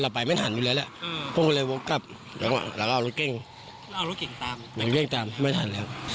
ลักษณะของเขาใส่ชุดอะไรอย่างนั้น